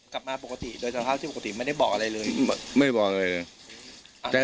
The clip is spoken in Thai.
กลับมาปกติโดยสภาพที่ปกติไม่ได้บอกอะไรเลยไม่บอกอะไรเลย